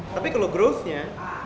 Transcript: tapi kalau growth nya